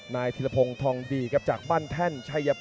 แล้วต่อพิกัดได้ครับทุกคนนะครับทุกคนนะครับ